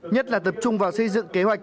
nhất là tập trung vào xây dựng kế hoạch